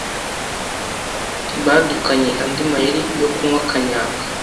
Badukanye andi mayeri yo kunywa Kanyanga